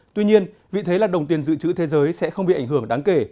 tuy nhiên vị thế là đồng tiền dự trữ thế giới sẽ không bị ảnh hưởng đáng kể